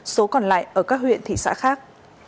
số còn lại ở các huyện thị xã khác